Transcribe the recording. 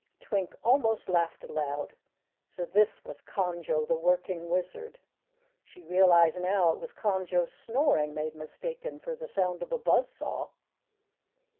Twink almost laughed aloud. So this was Conjo, the working Wizard! She realized now it was Conjo's snoring they had mistaken for the sound of a buzz saw.